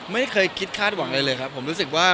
ไม่เคยคิดคาดหวังอะไรเลยครับผมรู้สึกว่า